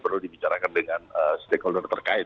perlu dibicarakan dengan stakeholder terkait